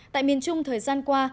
tại miền trung thời gian qua